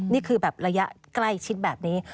นี่คือแบบระยะใกล้ชิดแบบนี้